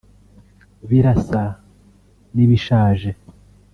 " Birasa n’ibishaje